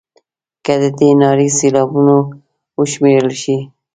که د دې نارې سېلابونه وشمېرل شي.